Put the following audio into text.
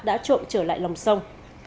đã trộn trở lại lòng sông